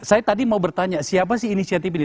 saya tadi mau bertanya siapa sih inisiatif ini